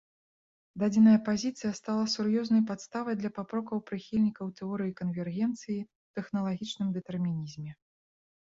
Дадзеная пазіцыя стала сур'ёзнай падставай для папрокаў прыхільнікаў тэорыі канвергенцыі ў тэхналагічным дэтэрмінізме.